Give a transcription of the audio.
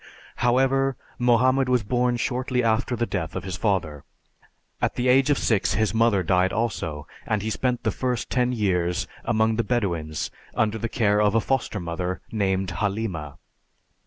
However, Mohammed was born shortly after the death of his father. At the age of six his mother died also, and he spent the first ten years among the Bedouins under the care of a foster mother named Halima.